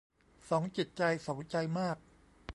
สองจิตใจสองใจมาก